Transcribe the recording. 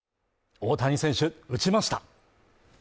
大谷選手打ちました。